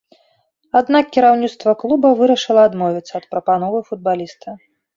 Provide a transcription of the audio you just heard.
Аднак кіраўніцтва клуба вырашыла адмовіцца ад прапановы футбаліста.